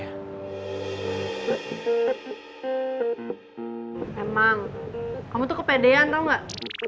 emang kamu tuh kepedean tau gak